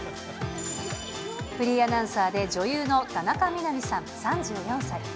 フリーアナウンサーで女優の田中みな実さん３４歳。